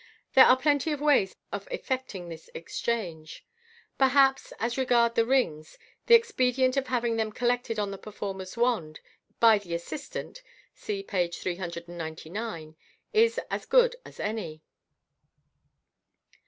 There are plenty of ways of effecting this exchange. Perhaps, as regards the rings, the expe dient of having them collected on the performer's wand by the assis tant (see page 399) is as good as any.